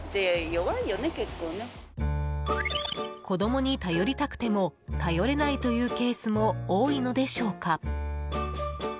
子供に頼りたくても頼れないというケースも多いのでしょうか。